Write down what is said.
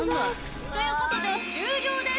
ということで終了です。